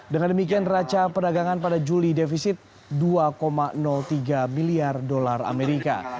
dengan demikian raca perdagangan pada juli defisit dua tiga miliar dolar amerika